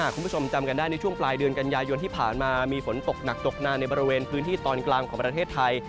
คุณผู้ชมจำกันได้ในช่วงปลายเดือนกันยายนที่ผ่านมามีฝนตกหนักตกนานในบริเวณพื้นที่ตอนกลางของประเทศไทย